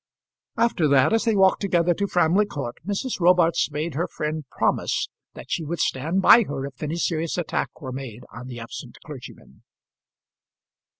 After that, as they walked together to Framley Court, Mrs. Robarts made her friend promise that she would stand by her if any serious attack were made on the absent clergyman.